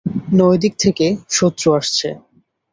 নয় দিক থেকে শত্রু আসছে।